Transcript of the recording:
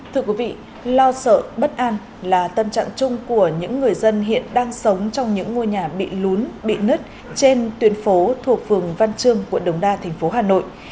thưa quý vị lo sợ bất an là tâm trạng chung của những người dân hiện đang sống trong những ngôi nhà bị lún bị nứt trên tuyến phố thuộc phường văn trương quận đồng đa thành phố hà nội